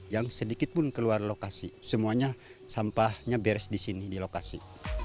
yang sedikit pun keluar lokasi semuanya sampahnya beres di sini di lokasi